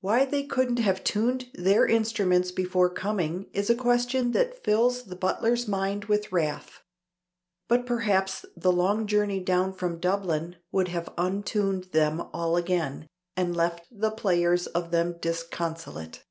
Why they couldn't have tuned their instruments before coming is a question that fills the butler's mind with wrath, but perhaps the long journey down from Dublin would have untuned them all again, and left the players of them disconsolate.